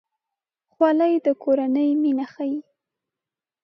خولۍ د کورنۍ مینه ښيي.